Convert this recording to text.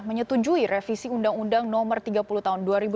menyetujui revisi undang undang nomor tiga puluh tahun dua ribu dua